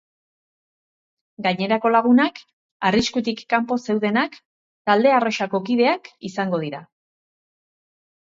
Gainerako lagunak, arriskutik kanpo zeudenak, talde arrosako kideak izango dira.